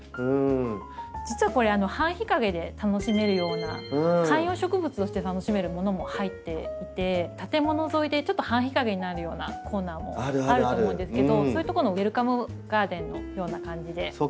実はこれ半日陰で楽しめるような観葉植物として楽しめるものも入っていて建物沿いでちょっと半日陰になるようなコーナーもあると思うんですけどそういう所のウエルカムガーデンのような感じで。